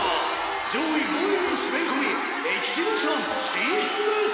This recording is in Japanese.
上位５位に滑り込みエキシビション進出です！